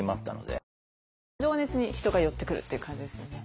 そういうまた情熱に人が寄ってくるっていう感じですよね。